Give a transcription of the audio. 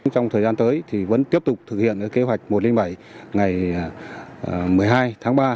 trong thời gian tới thì vẫn tiếp tục thực hiện kế hoạch một trăm linh bảy ngày một mươi hai tháng ba